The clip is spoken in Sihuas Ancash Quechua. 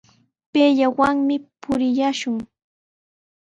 Payllawanmi purillashun.